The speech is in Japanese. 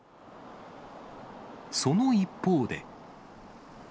その一方で。